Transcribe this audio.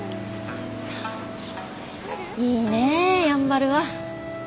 いいねやんばるは。